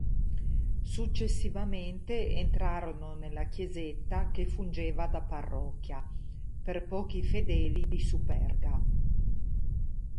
Successivamente entrarono nella chiesetta che fungeva da parrocchia per pochi fedeli di Superga.